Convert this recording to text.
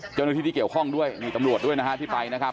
เจ้าหน้าที่ที่เกี่ยวข้องด้วยมีตำรวจด้วยนะฮะที่ไปนะครับ